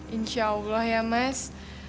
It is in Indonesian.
insya allah ya mas